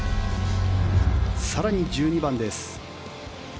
更に、１２番です。